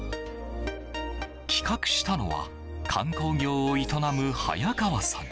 企画したのは観光業を営む早川さん。